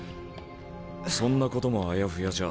そんなこともあやふやじゃ